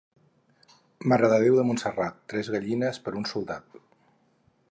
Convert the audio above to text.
Mare de Déu de Montserrat, tres gallines per un soldat.